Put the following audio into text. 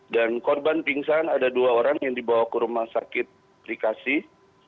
dan korban pingsan ada dua orang yang dibawa ke rumah sakit dikasih